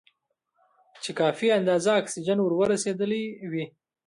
چې کافي اندازه اکسیجن ور رسېدلی وي.